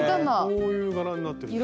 こういう柄になってるんです。